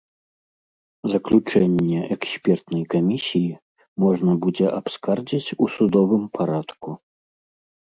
Заключэнне экспертнай камісіі можна будзе абскардзіць у судовым парадку.